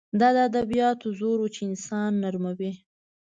دا د ادبیاتو زور و چې انسان نرموي